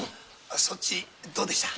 そっちどうでした？